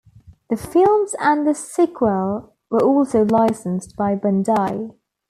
The films and the sequel were also licensed by Bandai.